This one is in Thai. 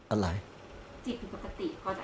อะไรจิตผิดปกติพออธิบายได้ไหมคะ